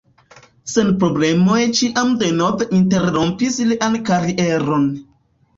Sanproblemoj ĉiam denove interrompis lian karieron.